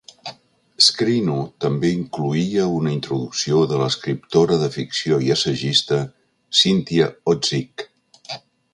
"Screeno" també incloïa una introducció de l'escriptora de ficció i assagista, Cynthia Ozick.